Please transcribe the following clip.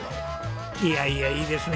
いやいやいいですね。